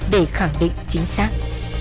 để khẳng định chính xác